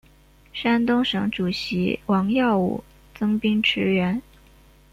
山东省主席王耀武增兵驰援。